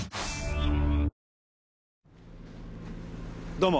どうも。